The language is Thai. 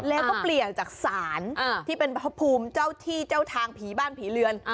แล้วก็เปลี่ยนจากศาลที่เป็นพระภูมิเจ้าที่เจ้าทางผีบ้านผีเรือน